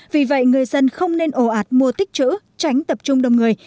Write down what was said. vì vậy người dân không nên ồ ạt mua tích chữ tránh tập trung đông người